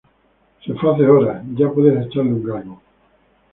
Se fue hace horas, ya puedes echarle un galgo